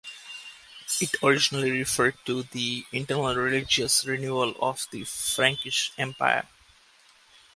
It originally referred to the internal religious renewal of the Frankish empire.